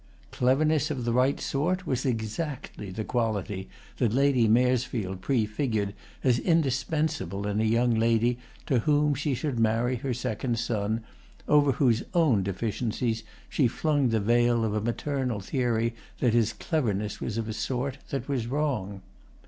Cleverness of the right sort was exactly the quality that Lady Maresfield prefigured as indispensable in a young lady to whom she should marry her second son, over whose own deficiencies she flung the veil of a maternal theory that his cleverness was of a sort that was wrong.